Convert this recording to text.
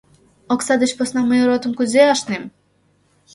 Окса деч посна мый ротым кузе ашнем?